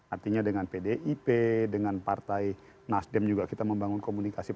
artinya dengan pdip dengan partai nasdem juga kita membangun komunikasi